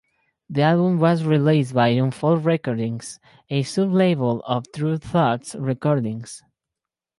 The album was released by Unfold Recordings, a sub-label of Tru Thoughts Recordings.